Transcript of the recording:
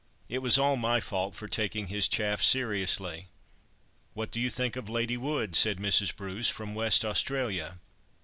It was all my fault, for taking his chaff seriously." "What do you think of Lady Wood?" said Mrs. Bruce, "from West Australia?"